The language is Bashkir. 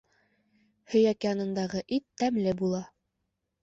Һөйәк янындағы ит тәмле була.